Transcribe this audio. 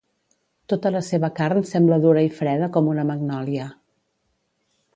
Tota la seva carn sembla dura i freda com una magnòlia.